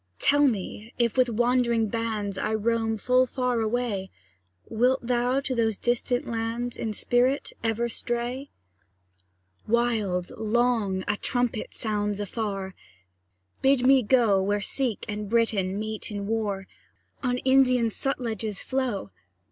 Tell me, if with wandering bands I roam full far away, Wilt thou to those distant lands In spirit ever stray? Wild, long, a trumpet sounds afar; Bid me bid me go Where Seik and Briton meet in war, On Indian Sutlej's flow.